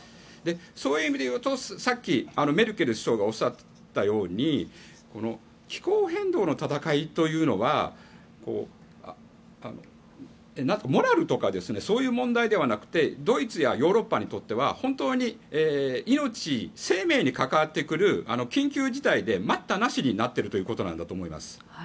そういう意味で言うとさっきメルケル首相がおっしゃったように気候変動の闘いというのはモラルとかそういう問題ではなくてドイツやヨーロッパにとっては本当に命、生命に関わってくる緊急事態で待ったなしになっていることなんだと思います。